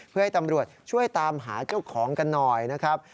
เพื่อให้ตำรวจช่วยตามหาเจ้าของกันหน่อยนะครับ